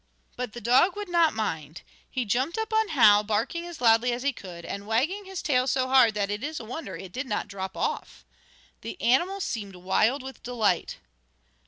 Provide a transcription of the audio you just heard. But the dog would not mind. He jumped up on Hal, barking as loudly as he could, and wagging his tail so hard that it is a wonder it did not drop off. The animal seemed wild with delight.